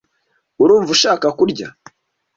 Urumva ushaka kurya?